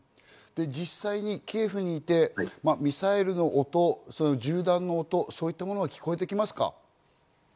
実際、キエフにいてミサイルの音、銃弾の音、そういったものは聞こえてきますか？